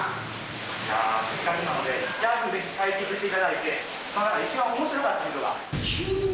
じゃあ、せっかくなので、ギャグで対決していただいて、一番おもしろかった人が。